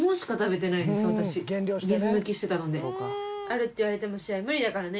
あるって言われても試合無理だからね！